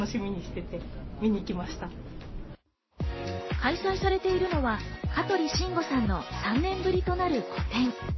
開催されているのは香取慎吾さんの３年ぶりとなる個展。